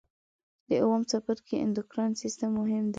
د اووم څپرکي اندورکاین سیستم مهم دی.